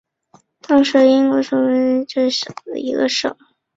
当时英属缅甸是英属印度之下的一省。